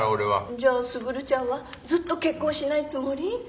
じゃあ卓ちゃんはずっと結婚しないつもり？